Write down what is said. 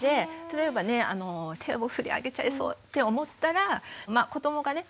例えばね手を振り上げちゃいそうって思ったら子どもがね